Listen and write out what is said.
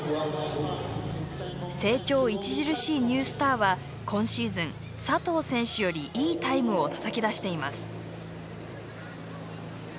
成長著しいニュースターは今シーズン、佐藤選手よりいいタイムをたたき出しています。